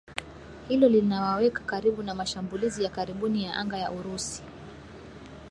Hilo linawaweka karibu na mashambulizi ya karibuni ya anga ya Urusi